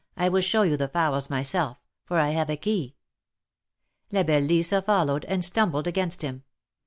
I will show you the fowls myself, for I have a key." La belle Lisa followed, and stumbled against him.